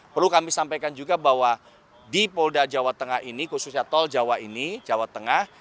perlu kami sampaikan juga bahwa di polda jawa tengah ini khususnya tol jawa ini jawa tengah